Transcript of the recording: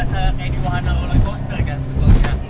ini kayak berasa di wahana rollercoaster kan sebetulnya